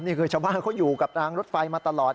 นี่คือชาวบ้านเขาอยู่กับรางรถไฟมาตลอด